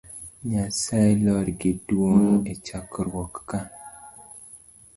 Nyasaye lor gi duong echokruok ka